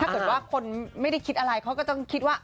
ถ้าคนไม่ได้คิดอะไรเขาต้องคิดว่า